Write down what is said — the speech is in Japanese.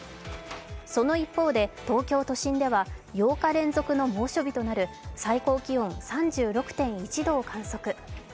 その一方で東京都心では８日連続の猛暑日となる最高気温３６．１度を観測。